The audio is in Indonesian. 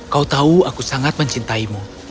kau tahu aku sangat mencintaimu